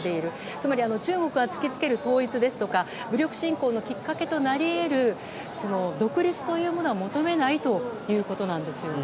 つまり、中国が突きつける統一ですとか武力侵攻のきっかけとなり得る独立というものは求めないということなんですよね。